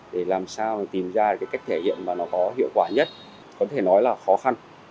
để làm sao tìm ra cái cách thể hiện và nó có hiệu quả nhất có thể nói là khó khăn